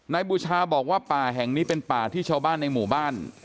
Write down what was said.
บูชาบอกว่าป่าแห่งนี้เป็นป่าที่ชาวบ้านในหมู่บ้าน